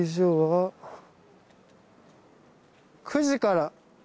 ９時から。